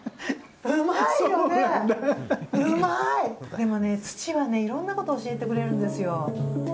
でも土はいろんなことを教えてくれるんですよ。